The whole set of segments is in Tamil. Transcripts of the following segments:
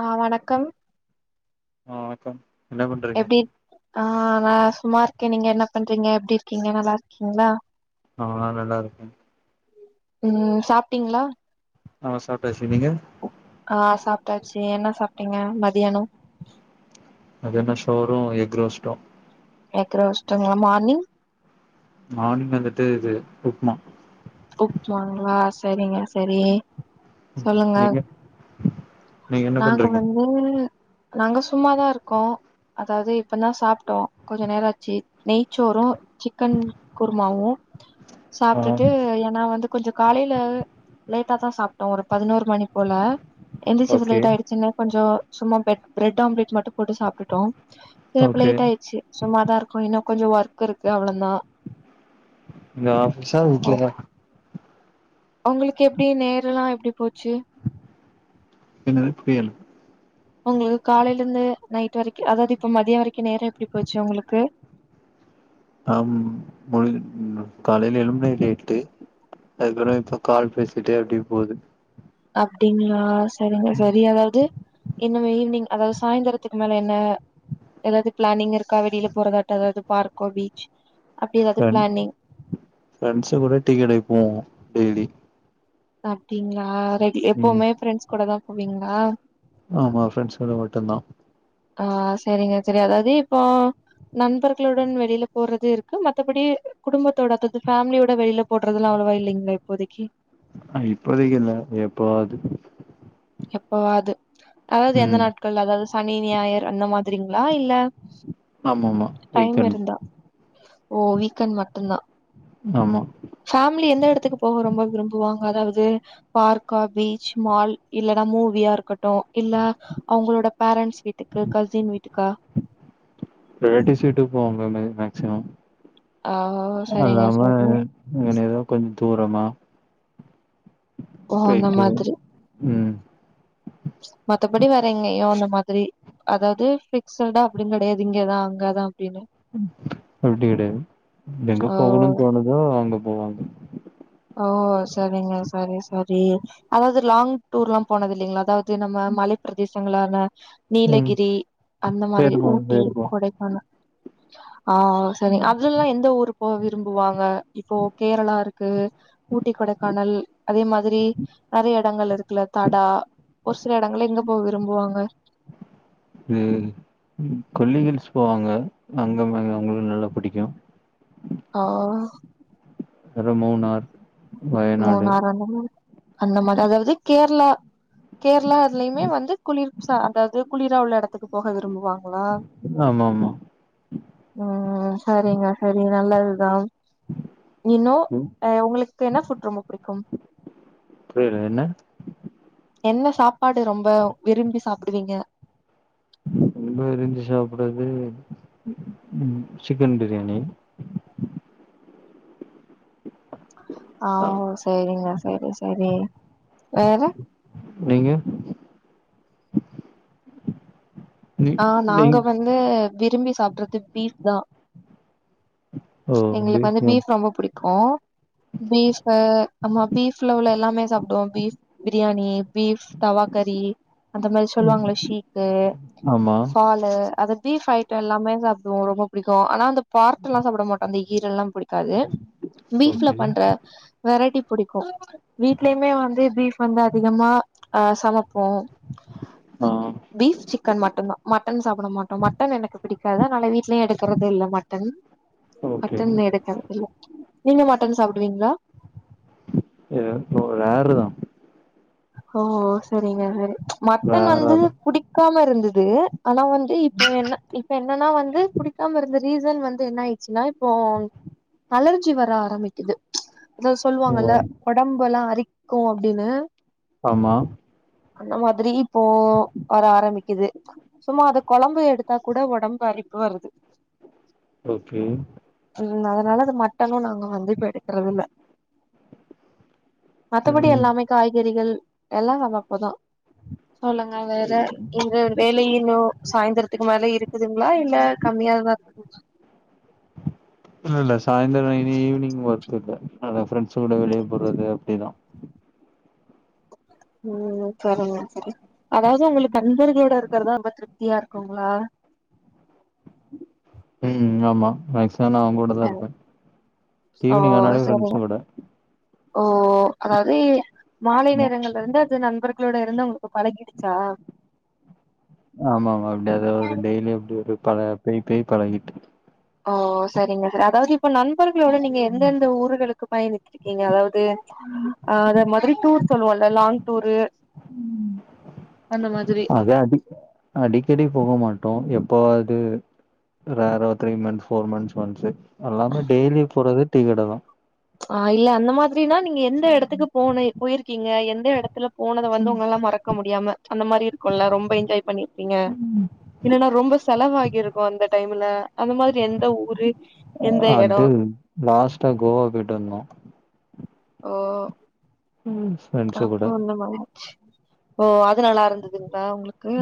ஆ வணக்கம் ஆ வணக்கம் என்ன பண்றீங்க எப்டி ஆ நா சும்மா இருக்க நீங்க என்ன பண்றீங்க எப்டி இருக்கீங்க நல்லா இருக்கீங்ளா ஆ நல்லா இருக்க ம் சாப்ட்டீங்ளா ஆ சாப்டாச்சி நீங்க ஆ சாப்ட்டாச்சி என்ன சாப்ட்டீங்க மதியானோ மதியானோ சோரு எக்ரோஷ்டு எக்குரோஷ்டுங்ளா மார்னிங் மார்னிங் வந்துட்டு இது உப்மா உப்மாங்ளா சரிங்க சரி சொல்லுங்க நீங்க நீங்க என்ன நாங்க பண்றீங்க வந்து நாங்க சும்மாதா இருக்கோ அதாது இப்பந் தா சாப்ட்டோ கொஞ்ச நேரோ ஆச்சி நெயச்சோரு சிக்கன் குருமாவு ஆ சாப்ட்டுட்டு ஏனா வந்து கொஞ்சோ காலைல லேட்டா தா சாப்ட்டோ ஒரு பதுனோரு மணி போல எந்துரிச்சது ஓகே லேட் ஆய்ருச்சின்னு கொஞ்சோ சும்மா பெட் ப்ரெட் ஆம்லேட் மட்டு போட்டு சாப்ட்டுட்டோ சே அப்ப ஓகே லேட்டாயிச்சி சும்மாதா இருக்கோ இன்னு கொஞ்சோ ஒர்க் இருக்கு அவ்ளந் தா நா [unintelligible] ஒங்களுக்கு எப்டி நேரல்லா எப்டி போச்சு என்னது புரியல உங்களுக் காலைல இந்து நைட் வரைக்கு அதாது இப்ப மதியோ வரைக்கு நேரோ எப்டி போச்சு உங்களுக்கு அம் பொழு காலைல எழும்பயே லேட்டு அதுக்கறோ இப்ப கால் பேசிட்டே அப்டியே போது அப்டிங்ளா சரிங்க சரி அதாவது இன்னு ஈவ்னிங் அதாது சாய்ந்திரத்துக்கு மேல என்ன ஏதாது ப்ளனிங் இருக்கா வெளில போறதாட்ட அதாது பார்க்கோ பீச் அப்டி ஏதாது ப்ளனிங் ப்ரெண்ட்ஸ் கூட டீ கடைக்கு போவோ டேலி அப்டிங்ளா ரெ ம் எப்புமே ஃப்ரெண்ட்ஸ் கூடதா போவீங்ளா ஆமா ஃப்ரெண்ட்ஸோட மட்டுந்தான் ஆ சரிங்க சரி அதாவது இப்போ நண்பர்களுடன் வெளில போறது இருக்கு மத்தபடி குடும்பத்தோட அதாது ஃபேமிலியோட வெளில போடுறதெல்லா அவ்ளவா இல்லைங்ளா இப்போதைக்கு அ இப்போதைக்கில்ல எப்பாது எப்பவாது அதாவது எந்த ம் நாட்கள் அதாவது சனி, ஞாயிரு அந்த மாதிரிங்ளா இல்ல ஆமாமா ஓ டைம் வீக்கெண்ட் இருந்தா ஓ வீக்கண்ட் மட்டுந்தா ஆமா ஃபேமிலி எந்த எடத்துக்கு போக ரொம்ப விரும்புவாங்க அதாவது பார்க்கா, பீச், மால் இல்லனா மூவியா இருக்கட்டு இல்ல அவுங்களோட பேரண்ட்ஸ் வீட்டுக்கு கசின் வீட்டுக்கா ரிலேட்டிவ்ஸ் வீட்டுக்கு போவோ மேம் மேக்சிமம் ஆ சரிங்க அல்லாமே சரிங்க இங்கனையேதா கொஞ்சோ தூரமா ஓ அந்த போய்ட்டு மாதிரி ம் மத்தபடி வேற எங்கயு அந்த மாதிரி அதாவது ஃபிக்சடா அப்டின்னு கெடையாது இங்கதா அங்கதா அப்டின்னு ம் அப்டி கெடயாது எங்க ஓ போகணுனு தோணுதோ அங்க போவாங்க ஓ சரிங்க சரி சரி அதாவது லாங் டூர்ல்லாம் போனதில்லைங்ளா அதா வது நம்ம மலைப் பிரதேசங்களான ம் நீலகிரி அந்த பேரு மாரி போவாங்க ஊட்டி பேரு போவாங்க கொடை கான ஆ சரி அதுல்லா எந்த ஊரு போ விரும்புவாங்க இப்போ கேரளா இருக்கு ஊட்டி, கொடைக்கானல் அதே மாதிரி நெறயா எடங்கள் இருக்கல்ல தடா ஒரு சில எடங்கள்ல எங்க போக விரும்புவாங்க ம் ம் கொல்லி ஹில்ஸ் போவாங்க அங்க மா அவங்களுக்கு நல்லா புடிக்கு ஆ அது மூணார் வயநாடு மூணார் அந்த மா அந்த மாரி அதாவது கேரளா கேரளா அதுலயுமே வந்து குளிர் சா அதாவது குளிரா உள்ள எடத்துக்கு போக விரும்புவாங்க முலாம் ஆமா ஆமா ம் சரிங்க சரிங்க நல்லதுதா இன்னு அ உங்களுக்கு என்ன ஃபுட் ரொம்ப புடிக்கு புரில என்ன என்ன சாப்பாடு ரொம்ப விரும்பி சாப்டுவீங்க ரொம்ப விரும்பி சாப்பிடறது சிக்கன் பிரியாணி ஆவ் சரிங்க சரி சரி வேற நீங்க நீ ஆ நாங்க நீங் வந்து விரும்பி சாப்டறது பீஃப்தா ஓ எங்களுக்கு வந்து பீஃப் பிரியாணி. ரொம்ப புடிக்கு பீஃப் ஆமா பீஃப்ல உள்ள எல்லாமே சாப்டுவோ பீஃப் பிரியாணி பீஃப் தவா கறி அந்த மாரி சொல்லுவாங்கல்ல ஷீக்கு ஆமா பாலு அத பீஃப் ஐட்டம் எல்லாமே சாப்டுவோ ரொம்ப புடிக்கு ஆனா அந்த பார்த்தல்லா சாப்ட மாட்டோ ஈரல்லா புடிக்காது பீஃப்ல ஓகே பண்ற வெரைட்டி புடிக்கு வீட்லயுமே வந்து பீஃப் வந்து அதிகமா ஆ சமப்போ ஆ பீஃப் சி சிக்கன் மட்டுந்தா மட்டன் சாப்டமாட்டோ மட்டன் எனக்கு பிடிக்காது அனால வீட்லயு எடுக்கறது இல்ல மட்டன் ஓகே. மட்டன் எடுக்கிற இல்ல நீங்க மட்டன் சாப்பிடுவீங்களா ம் இப்போ ரேர் தா ஓ ஓ செரிங்க செரி ப்ச் மட்டன் ரேரா வந்தது தான். புடிக்காம இருந்தது ஆனா வந்து இப்ப என்ன இப்ப என்னன்னா வந்து புடிக்காம இருந்தது சீசன் வந்து என்ன ஆயிடுச்சுன்னா இப்போ அலர்ஜி வர ஆரம்பிக்குது ப்ச் அதாவது ஓ சொல்லுவாங்கல்ல உடம்பு எல்லா அரிக்கு அப்டின்னு ஆமா அந்த மாதிரி இப்போ வர ஆரம்பிக்குது சும்மா அத கொழம்பு எடுத்தா கூட ஒடம்பு அரிப்பு வருது ஓகே ம் அதனால அது மட்டனு நாங்க வந்து இப்போ எடுக்கறது இல்ல மத்தபடி ம். எல்லாமே காய்கறிகள் எல்லா சமப்போதா ம் சொல்லுங்க வேற இங்க வேல இன்னு சாய்ந்திரத்துக்கு மேல இருக்குதுங்களா இல்ல கம்மியாதா இருக்குங் இல்ல இல்ல சாயந்தரம் இனி ஈவினிங் ஒர்க் போயிருவே அதா ஃப்ரெண்ட்ஸ் கூட வெளியே போறது அப்டிதா ம் செரிங்க தோழி அதாவது உங்களுக்கு நண்பர்களோட இருக்கிறதா ரொம்ப திருப்தியா இருக்குங்களா ம் ஆமா மேக்சிமம் நா அவங்க கூட தா இருப்பேன் ஓ ஈவினிங் ஆனாலே சரிங்க பிரெண்ட்ஸ் கூட ஓ அதாவது மாலை ஆமா. நேரங்கள் இரண்டாவது நண்பர்களோட இருந்த உங்களுக்கு பழகிடுச்சா ஆமா ஆமா அப்டி அத ஒரு டெய்லி அப்டி ஒரு பழ பேய் பேய் பழகிட்டு ஆ செரிங்க ஆதாவது இப்ப நண்பர்களோட நீங்க எந்தெந்த ஊர்களுக்கு பயணித்திருக்கீங்க அதாவது அ அத மதிரி டூர் லாங் டூரு அந்த மாதிரி அத அடிக் அடிக்கடி போக மாட்டோ எப்போவது ரேர்றா ஒரு three months four months once அல்லாம டெய்லி போறது டீகட தா ஆ இல்ல அந்த மாதிரனா நீங்க எந்த இடத்துக்கு போன போயிருக்கீங்க எந்த இடத்துக்கு ச்சு வத்துல போனத வந்து உங்களால மறக்க முடியாம அந்த மாரி இருக்குல்ல ரொம்ப என்ஜாய் பண்ணியிருபீங்க இல்லன்னா ரொம்ப செலவாகி இருக்கு அந்த டைம்ல அந்த மாரி எந்த ஊரு எந்த எடோ அது லாஸ்டா கோவா போயிட்டு வந்தோ ஒ ம் அப்போ அந்த மாரிச்சு ஓ அதுனல்லா இருந்ததுங்களா உங்களுக்கு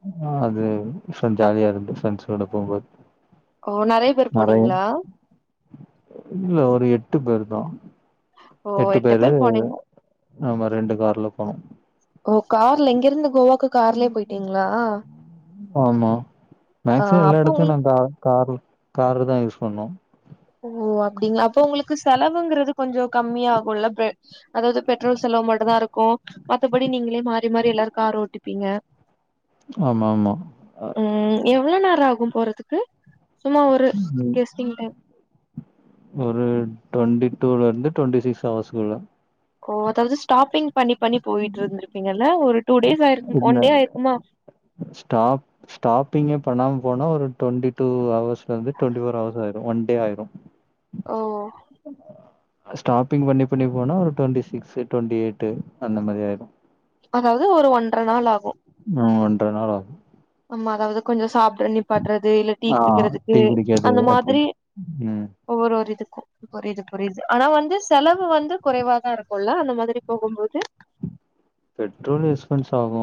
ம் அது டிஃபரென்ட் ஜாலியா இருந்தது ஃப்ரெண்ட்ஸ் கூட போகும்போது ஓ நெறையா பேர் போனீங்களா இல்ல ஒரு எட்டு பேரு தா ஓ எட்டு பேரு பேர் போனீங்க ஆமா ரெண்டு கார்ல போனோம் ஓ கார்ல இங்க இருந்து கோவாக்கு கார்லயே போயிட்டீங்களா ஆமா ஆ மேக்சிமம் எல்லா அப்ப இடத்தையு உங்களுக்கு நான்தா கார்ல காரு தா யூஸ் பண்ணோம் ஓ அப்டிங்களா அப்ப உங்களுக்கு செலவுங்கிறது கொஞ்சோ கம்மிய ஆகும்ல்ல பெ அதாவது பெட்ரோல் செலவு மட்டு தா இருக்கு மத்தபடி நீங்களே மாறி மாறி எல்லாரு கார் ஓட்டிப்பீங்க ஆ மா மா ம் எவ்ளோ நேர ஆகு போறதுக்கு சும்மா ஒரு உம் கெஸ்டிங் டைம் ஒரு டுவெண்டி டூல இருந்து டுவெண்ட்டி சிக்ஸ் ஹவர்ஸ்க்குள்ள ஓ அதாவது ஸ்டாப்பிங் பண்ணி பண்ணி போய்ட்டு இருந்திருங்க்கீங்கல்ல ஒரு டூ டேஸ் ஆயிரு இல்ல ஸ்டாப் ஸ்டாப்பிங்கே பண்ணாம போனா ஒரு twenty two hours twenty four hours ஆய்ரு ஒன்டே ஆய்ரு ஓ இப்பமா ஸ்டாப்பிங் பண்ணி பண்ணி போனா ஒரு டுவெண்டி சிக்ஸ் டுவெண்டி எய்ட்டு அந்த மாரி ஆய்டு அதாவது ஒரு ஒன்ற நாள் ஆகு நா ஒன்ற நாள் ஆகு ஆமா அதாவது கொஞ்சோ சாப்ட நிப்பாட் றது இல்ல டீ ஆ குடிக்கிறதுக்கு டீ குடிக்கிறது அந்த அப்படி. மாதிரி ம். ஒவ்வொரு ஒரு இதுக்கு புரியுது புரியுது ஆனா வந்து செலவு வந்து குறைவாதா இருக்குல்ல அந்த மாதிரி போகுபோது பெட்ரோல் எஸ்பென்ஸ் ஆகு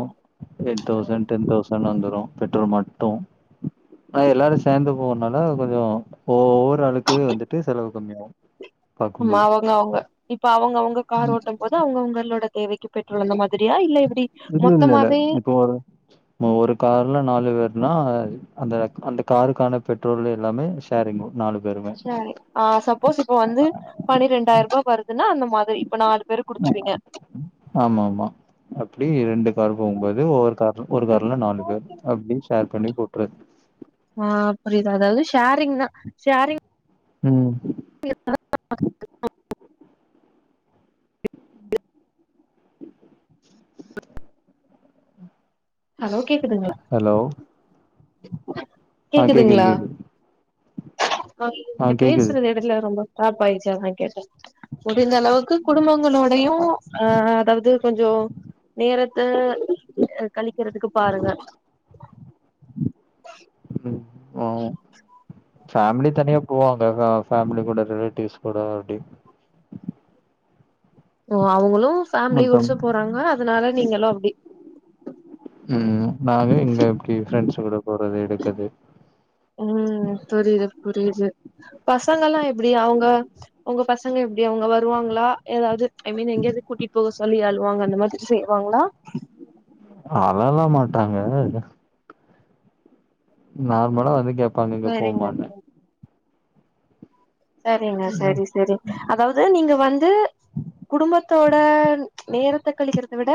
எயிட் தௌசண்ட் டென் தௌசண்ட் வந்துரு பெட்ரோல் மட்டு ஆ எல்லாரு சேர்ந்து போகனால கொஞ்சோ ஒவ்வொரு ஆளுக்கு வந்துட்டு செலவு கம்மியாகு ஆமா அவங்க அவங்க இப்ப அவங்க அவங்க கார் ஓட்ட போது அவங்கவுங்களோட தேவைக்கு பெட்ரோலந்த மாதிரியா இல்ல எப்டி இல்ல இல்ல இல்ல. மொத்தமாவே இப்போ ஒரு ஒரு கார்ல நாலு பேர்னா அந்த அந்த காருக்கான பெட்ரோல் எல்லாமே ஷாரீங்கு நாலு பேருமே ஆ சப்போஸ் இப்ப வந்து பன்னிரெண்டாயிருபா வருதுன்னா அந்த மாதிரி இப்ப நா முக் ஆமா மா அப்டி இரண்டு கார் போம்போது ஒவ்வொரு கார் ஒரு கார்ல நாலு பேர் அப்டி ஷேர் பண்ணி போட்ரது ஆ புரியுது அதாவது ஷேரிங் தா ஷேரிங் ம் [inaudible] [unintelligible] ஹலோ கேக் ஹலோ ஆ கேக்குது கேக்குதுங்களா கேக்குது ஆ நீங்க பேசுறது எதுலருந்து ட்ராப் ஆய்ச்சு அதனால கேட்ட குடும்பங்களோடையு ஆ அதாவது கொஞ்சோ நேரத்த கழிக்கிறதுக்கு பாருங்க ம் ஆவு ஃபேமிலி தனியா போவாங்க பேமிலி கூட ரிலேட்டிவ்ஸ் கூட அப்டி ஓ அவங்களு ஃபேமிலி மொத்தம் குடிச்சு போறாங்க அதனால நீங்களு அப்டி ம் நாங்க எங்க இப்டி ஃப்ரெண்ட்ஸ் கூட போறது எடுக்கது ம் புரிது புரிது பசங்கல்லா எப்டி அவங்க அவங்க பசங்க எப்டி அவங்க வருவாங்களா எதாவது ஐ மீன் எங்கயாவது கூட்டிட்டு போக சொல்லி அழுவாங்க அந்த மாதிரி செய்வாங்களா அழலா மாட்டாங்க நார்மலா வந்து கேப்பாங்க இங்க சரிங்க போமான்னு சரிங்க சரி சரி அதாவது நீங்க வந்து குடும்பத்தோட நேரத்த கழிக்கிறத விட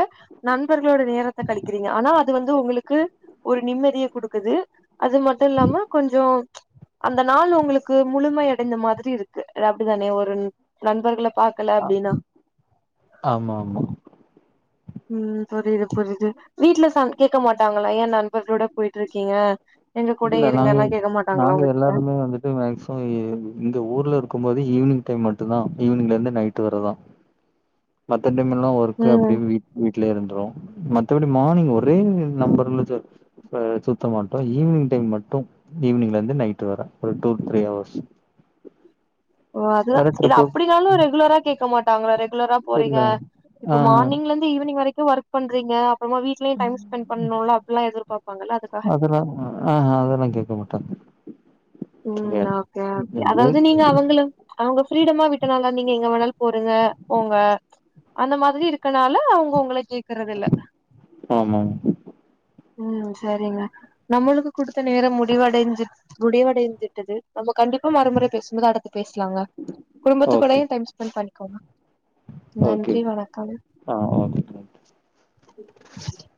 நண்பர்களோட நேரத்த கழிக்கிறீங்க ஆனா அது வந்து உங்குளுக்கு ஒரு நிம்மதிய குடுக்குது அது மட்டு இல்லாம கொஞ்சோ அந்த நாள் உங்குளுக்கு முழுமைய இந்த மாதிரி இருக்கு இது அப்டிதானே ஒரு நண்பர்கல பாக் ஆமா ஆமா ம் புரியுது புரியுது வீட்ல சன் கேக்க மாட்டாங்களா ஏ நண்பர்களோட போயிட்ருக்கீங்க எங்க கூட இல்ல இருங்க எல்லா கேக்க மாட்டாங்களா உங்ககிட்ட இது மேக்சிமம் இ இங்க ஊர்ல இருக்கும் போது ஈவினிங் டைம் மட்டுந்தா ஈவினிங்ல இருந்து நைட்டு வரதா மத்த டைம்மெல்லா ஒர்க்கு ம் அப்டி வீட் வீட்லயே இருந்துறோ மத்தபடி மார்னிங் ஒரே நம்பர்ல ச ச சுத்த மாட்டோ ஈவினிங் டைம் மட்டும் ஈவினிங்ல இருந்து நைட் வர ஒரு டூ த்ரீ ஹவர்ஸ் ஓ அதுதா வேற இல்ல ட்ரிப்பு அப்படினாலு ரெகுலரா கேக்க மாட்டாங்களா ரெகுலரா இல்ல போறீங்க ஆ இப்ப மார்னிங்லந் து ஈவினி்ங் வரைக்கு ஒர்க் பண்றீங்க அப்புறமா வீட்டுலயு டைம் ஸ்பெண்ட் பண்லோல அப்டிலா எதிர்ப்பாங்களா அதுக்காக கேட்ட அதெல்லா ஆ அதெல்லா கேக்க மாட்டாங்க ம் ஓகே ஓகே கெடையாது அதாவது நீங்க அவங்களு அவங்க ஃப்ரீடமா விட்டனால நீங்க எங்க வேணாலு போருங்க போங்க அந்த மாதிரி இருக்கனால அவுங்க உங்கல கேக்கறது இல்ல ஆமா ம் செரிங்க நம்முளுக்கு குடுத்த நேரம் முடிவடைஞ்சு முடிவடை ஞ்சுட்டது நம்ம கண்டிப்பா மறுமுறை பேசும்போது அடுத்து பேசலாங்க குடும்பத்துக் ஓகே கூடயோ டைம் ஓபன் பண்ணிக்கோங்க ஓகே நன்றி வணக்கம் ஆ ஓகே [unintelligible]